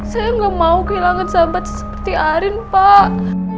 saya nggak mau kehilangan sahabat seperti arin pak